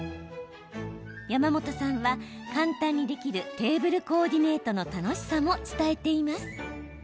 山本さんは、簡単にできるテーブルコーディネートの楽しさも伝えています。